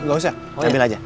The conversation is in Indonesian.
gak usah ambil aja